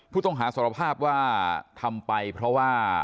ผู้ต้องหาสารภาพว่าทำไปเพราะว่า